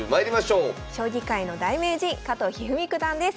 将棋界の大名人加藤一二三九段です。